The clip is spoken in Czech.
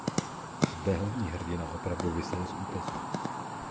Zde hlavní hrdina opravdu visel z útesu.